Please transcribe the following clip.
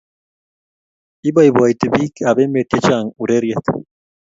iboiboiti biik ab emet chechang ureriet